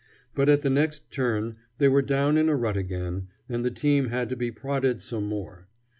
But at the next turn they were down in a rut again, and the team had to be prodded some more.